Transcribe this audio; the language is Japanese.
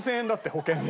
保険で。